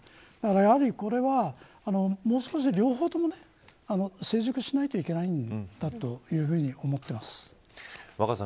だから、これはもう少し両方とも成熟しないといけないんだというふうに思ってます。